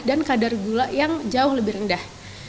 dan kadar gula yang jauh lebih rendah